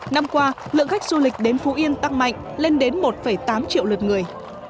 năm qua lượng khách du lịch đến phú yên tăng mạnh lên đến một tám triệu lượt người